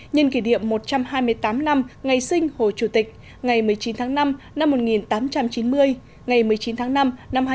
nhân kỷ niệm một trăm hai mươi tám năm ngày sinh hồ chủ tịch ngày một mươi chín tháng năm năm một nghìn tám trăm chín mươi ngày một mươi chín tháng năm năm hai nghìn hai mươi